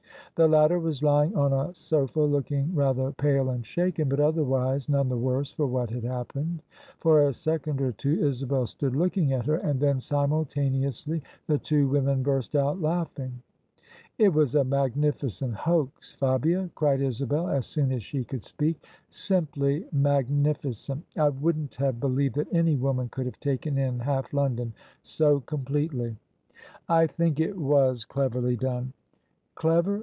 The latter was lying on a sofa looking rather pale and shaken, but other wise none the worse for what had happened. For a second or two Isabel stood looking at her : and then simultaneously the two women burst out laughing. " It was a magnificent hoax, Fabia! " cried Isabel as soon as she could speak: " Simply magnificent! I wouldn't have believed that any woman could have taken in half London so completely! "" I think it was cleverly done." Clever?